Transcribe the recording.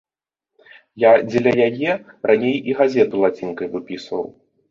Я дзеля яе раней і газету лацінкай выпісваў.